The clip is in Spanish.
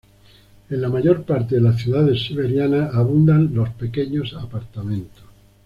En la mayor parte de las ciudades siberianas abundan los pequeños apartamentos.